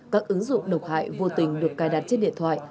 các ứng dụng độc hại vô tình được cài đặt trên điện thoại